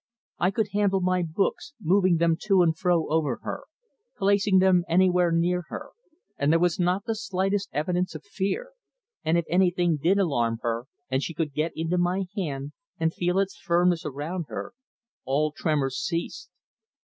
I could handle my books, moving them to and fro over her, placing them anywhere near her, and there was not the slightest evidence of fear; and if anything did alarm her and she could get into my hand and feel its firmness around her, all tremors ceased.